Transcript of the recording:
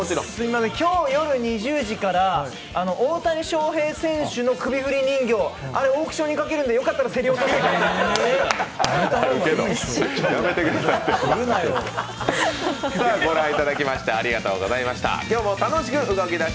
今日夜２０時から大谷翔平選手の首振り人形をオークションにかけるんでよかったら競り落としてください。